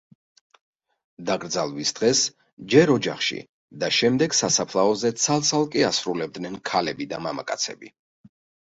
დაკრძალვის დღეს ჯერ ოჯახში და შემდეგ სასაფლაოზე ცალ-ცალკე ასრულებდნენ ქალები და მამაკაცები.